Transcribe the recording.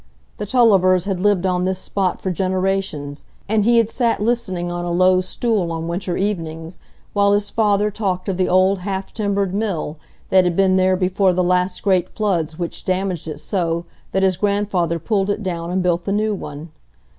The Tullivers had lived on this spot for generations, and he had sat listening on a low stool on winter evenings while his father talked of the old half timbered mill that had been there before the last great floods which damaged it so that his grandfather pulled it down and built the new one.